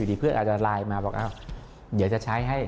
อยู่ดีเพื่อนอาจารย์มาบอกเดี๋ยวจะใช้ให้